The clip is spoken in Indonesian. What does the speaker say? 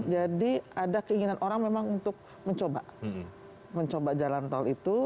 jadi ada keinginan orang memang untuk mencoba mencoba jalan tol itu